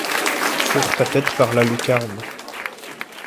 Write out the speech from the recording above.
Fourre ta tête par la lucarne.